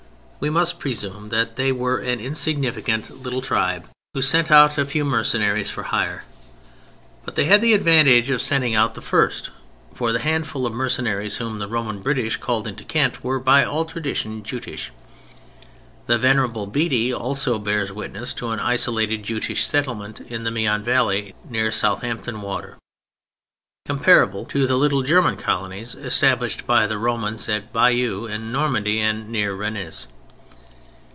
We must presume that they were an insignificant little tribe who sent out a few mercenaries for hire; but they had the advantage of sending out the first, for the handful of mercenaries whom the Roman British called into Kent were by all tradition Jutish. The Venerable Bede also bears witness to an isolated Jutish settlement in the Meon Valley near Southampton Water, comparable to the little German colonies established by the Romans at Bayeux in Normandy and near Rennes.